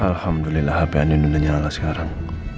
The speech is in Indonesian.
alhamdulillah hp anin nyalah sekarang